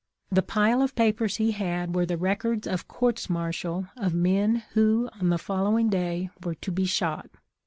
The pile of papers he had were the records of courts martial of men who on the following day were to be shot.